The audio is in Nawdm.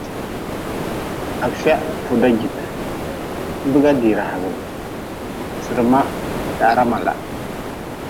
Afia fuda jite, biga dira hagʼbe, sirma dahra mala.